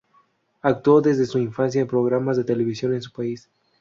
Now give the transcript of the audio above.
Actuó desde su infancia en programas de televisión en su país.